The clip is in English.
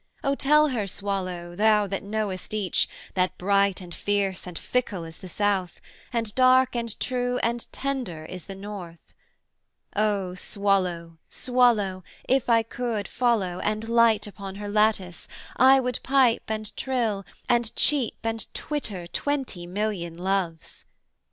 'O tell her, Swallow, thou that knowest each, That bright and fierce and fickle is the South, And dark and true and tender is the North. 'O Swallow, Swallow, if I could follow, and light Upon her lattice, I would pipe and trill, And cheep and twitter twenty million loves.